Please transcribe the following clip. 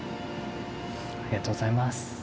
ありがとうございます。